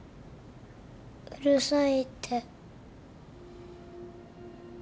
うるさいって。